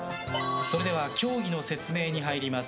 それでは競技の説明に入ります。